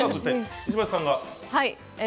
石橋さんは？